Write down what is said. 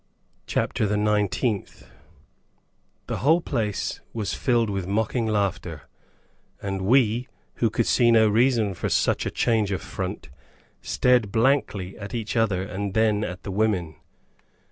CHAPTER THE NINETEENTH. The whole place was filled with mocking laughter, and we, who could see no reason for such a change of front, stared blankly at each other and then at the women.